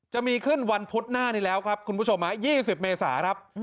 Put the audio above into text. จะมีขึ้นวันพุธหน้านี้แล้วครับคุณผู้ชม๒๐เมษาครับ